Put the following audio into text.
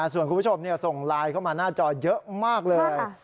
ส่วนคุณผู้ชมส่งไลน์เข้ามาหน้าจอเยอะมากเลย